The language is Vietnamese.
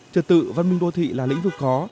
trật tự văn minh đô thị là lĩnh vực khó